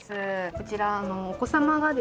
こちらお子様がですね